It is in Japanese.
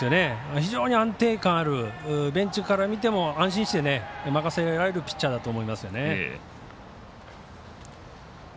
非常に安定感のあるベンチから見ても安心して、任せられるピッチャーだと思いますね。